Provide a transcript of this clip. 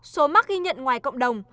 số mắc ghi nhận ngoài cộng đồng